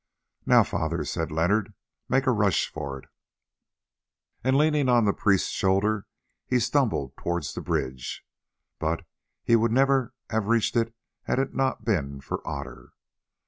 "Now, Father," said Leonard, "make a rush for it," and leaning on the priest's shoulder he stumbled towards the bridge. But he would never have reached it had it not been for Otter.